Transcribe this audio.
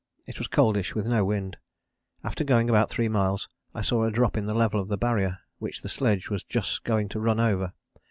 It was coldish, with no wind. After going about three miles I saw a drop in the level of the Barrier which the sledge was just going to run over.